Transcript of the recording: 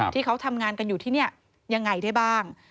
ที่เขาทำงานกันอยู่ที่นี่ยังไงได้บ้าง